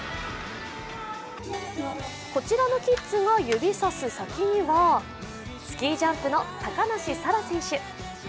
こちらのキッズが指さす先にはスキージャンプの高梨沙羅選手。